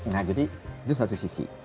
nah jadi itu satu sisi